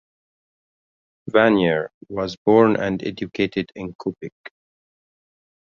Vanier was born and educated in Quebec.